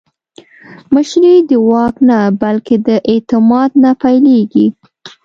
مشري د واک نه، بلکې د اعتماد نه پیلېږي